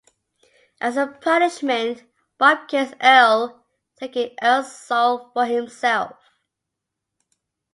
As a punishment, Bob kills Earle, taking Earle's soul for himself.